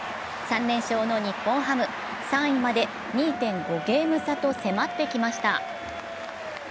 ３連勝の日本ハム、３位まで２．５ゲーム差と迫ってきました。